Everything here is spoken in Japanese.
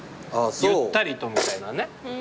「ゆったりと」みたいなね。